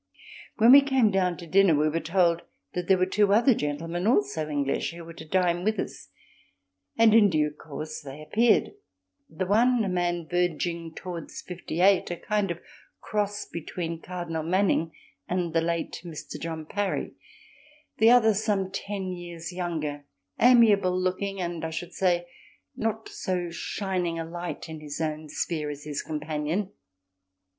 When we came down to dinner we were told that there were two other gentlemen, also English, who were to dine with us, and in due course they appeared—the one a man verging towards fifty eight, a kind of cross between Cardinal Manning and the late Mr. John Parry, the other some ten years younger, amiable looking and, I should say, not so shining a light in his own sphere as his companion.